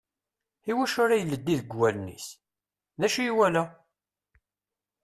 I wacu ara ileddi deg wallen-is? D ucu i yewala?